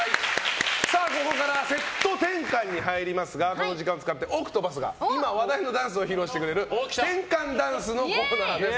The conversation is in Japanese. ここからセット転換に入りますがこの時間を使いましてＯＣＴＰＡＴＨが今話題のダンスを披露してくれる転換ダンスのコーナーです。